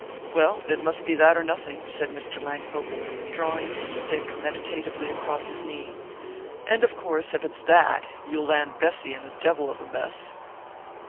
"Well, it must be that or nothing," said Mr. Langhope, drawing his stick meditatively across his knee. "And, of course, if it's that, you'll land Bessy in a devil of a mess."